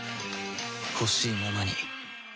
ほしいままに